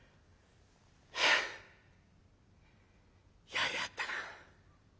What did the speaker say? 「やりやがったな。